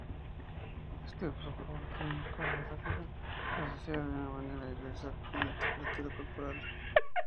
Este flujo tónico de salida está asociado de manera inversa con la temperatura corporal.